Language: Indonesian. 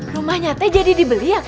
rumahnya teh jadi dibeli ya